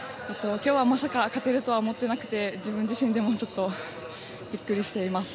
きょうはまさか勝てるとは思ってなくて自分自身でも、ちょっとびっくりしています。